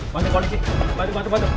bantu bantu bantu